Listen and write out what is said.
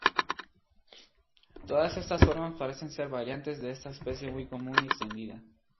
Todas estas formas parecen ser variantes de esta especie muy común y extendida.